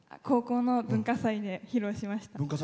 高校の文化祭で披露しました。